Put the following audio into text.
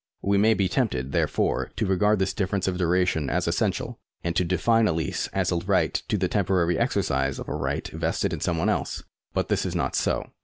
We may be tempted, therefore, to regard this difterence of duration as essential, and to define a lease as a right to the temporary exercise of a right vested in some one else. But this is not so.